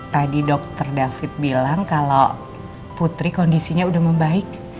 tadi dokter david bilang kalau putri kondisinya sudah membaik